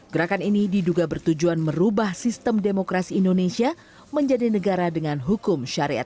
gerakan ini diduga bertujuan merubah sistem demokrasi indonesia menjadi negara dengan hukum syariat